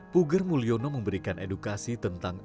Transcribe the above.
puger mulyono memberikan edukasi tentang